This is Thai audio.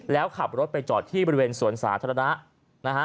แล้วขับรถไปจอดที่บริเวณสวนสาธารณะนะฮะ